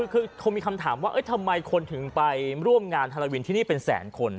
คือคงมีคำถามว่าทำไมคนถึงไปร่วมงานฮาลาวินที่นี่เป็นแสนคน